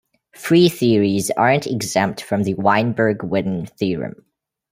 Free theories aren't exempt from the Weinberg-Witten theorem.